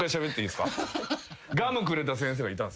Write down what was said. ガムくれた先生がいたんすよ。